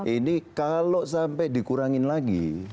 ini kalau sampai dikurangin lagi